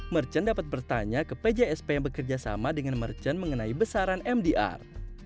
merchant dapat bertanya ke pjsp yang bekerja sama dengan merchant mengenai besaran mdr